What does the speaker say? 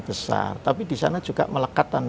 besar tapi disana juga melekat